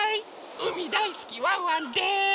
うみだいすきワンワンです！